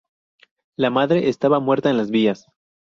La madre estaba muerta en las vías.